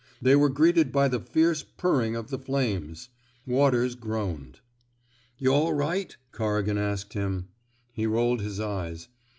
They were greeted by the fierce purring of the flames. Waters groaned. ^* Y* all right! '' Corrigan asked him. He rolled his eyes.